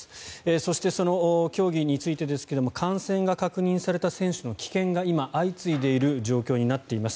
そして、その競技についてですが感染が確認された選手の棄権が今、相次いでいる状況になっています。